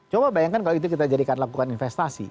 coba bayangkan kalau itu kita jadikan lakukan investasi